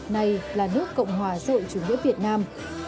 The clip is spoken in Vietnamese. này là nước cộng hòa dội chủ nghĩa việt nam